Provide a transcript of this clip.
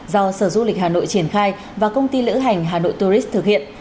do sở du lịch hà nội triển khai và công ty lữ hành hà nội tourist thực hiện